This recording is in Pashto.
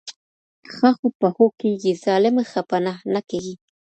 ښه خو په هو کيږي ظالمي ښه په نه، نه کيږي